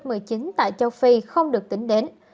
các ca mắc covid một mươi chín tại châu phi không được tính đến